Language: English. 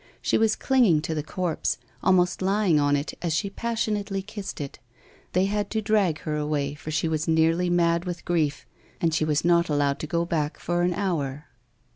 She was clinging to the corpse, almost lying on it as she passionately kissed it; they had to drag her away for she was nearly mad with grief, and she was not allowed to go back for an hour.